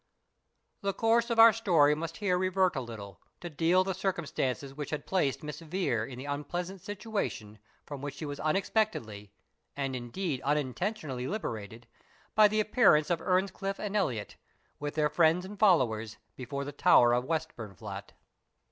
The course of our story must here revert a little, to detail the circumstances which had placed Miss Vere in the unpleasant situation from which she was unexpectedly, and indeed unintentionally liberated, by the appearance of Earnscliff and Elliot, with their friends and followers, before the Tower of Westburnflat.